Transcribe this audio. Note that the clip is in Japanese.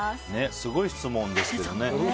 すごい質問ですけどね。